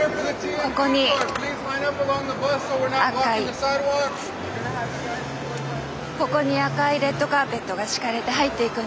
ここに赤いレッドカーペットが敷かれて入っていくんですね。